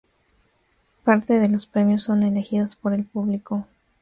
Parte de los premios son elegidos por el público.